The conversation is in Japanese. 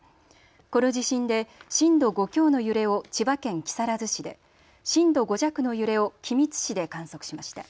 この地震で震度５強の揺れを千葉県木更津市で、震度５弱の揺れを君津市で観測しました。